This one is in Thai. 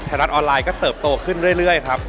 รัฐออนไลน์ก็เติบโตขึ้นเรื่อยครับ